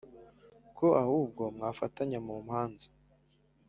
ko ahubwo mwafatanya mu manza